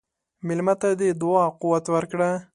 مېلمه ته د دعا قوت ورکړه.